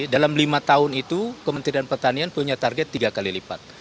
dalam lima tahun itu kementerian pertanian punya target tiga kali lipat